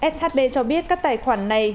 shb cho biết các tài khoản này